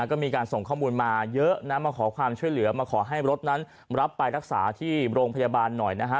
ก็มีการส่งข้อมูลมาเยอะนะมาขอความช่วยเหลือมาขอให้รถนั้นรับไปรักษาที่โรงพยาบาลหน่อยนะฮะ